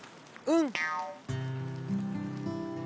うん？